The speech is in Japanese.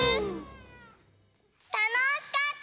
たのしかった！